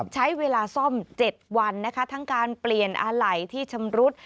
ใช้เวลาซ่อม๗วันนะคะทั้งการเปลี่ยนอะไหล่ที่ชำรุด